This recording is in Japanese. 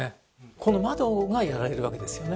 この窓がやられるわけですよね。